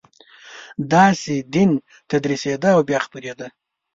داسې تدین تدریسېده او بیا خپرېده.